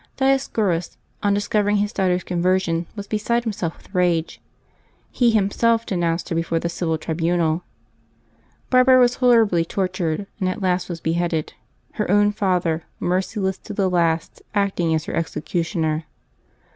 Dioscorus, on discovering his daughter's conversion, was beside himself with rage. He himself denounced her before the civil tribunal. Barbara was horribly tortured, and at last was beheaded, her own father, merciless to the last, acting as her executioner.